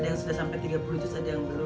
yang sudah sampai tiga puluh juz saja yang belum